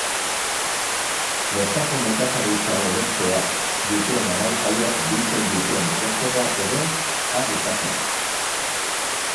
Bertako merkataritzan erosteak dituen abantailak biltzen dituen posterra ere jar dezakete.